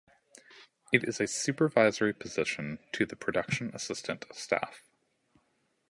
It is a supervisory position to the Production assistant staff.